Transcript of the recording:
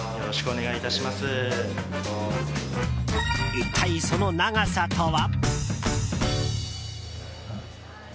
一体、その長さとは。